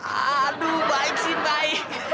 aduh baik sih baik